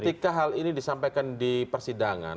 ketika hal ini disampaikan di persidangan